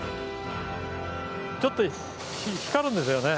ちょっと光るんですよね